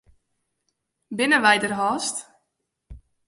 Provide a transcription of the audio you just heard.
Binne wy der hast?